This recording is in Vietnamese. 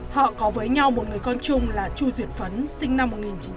họ có với nhau một người con chung là chu duyệt phấn sinh năm một nghìn chín trăm tám mươi